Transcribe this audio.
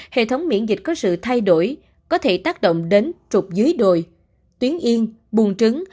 hệ thống miễn dịch có sự thay đổi có thể tác động đến trục dưới đồi tuyến yên bùn trứng